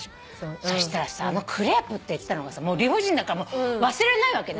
そしたらさクレープって言ってたのが理不尽だから忘れないわけ。